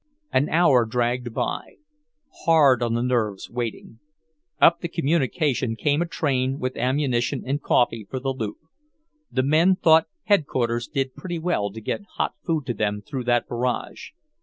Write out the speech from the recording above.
An hour dragged by. Hard on the nerves, waiting. Up the communication came a train with ammunition and coffee for the loop. The men thought Headquarters did pretty well to get hot food to them through that barrage.